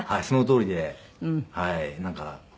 そのとおりではい。